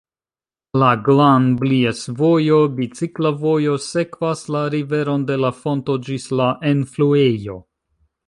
La Glan-Blies-vojo, bicikla vojo, sekvas la riveron de la fonto ĝis la enfluejo.